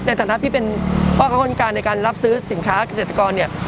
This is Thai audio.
ฐานะพี่เป็นพ่อค้าคนการในการรับซื้อสินค้าเกษตรกรเนี่ย